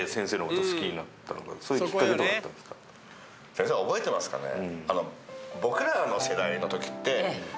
先生覚えてますかね？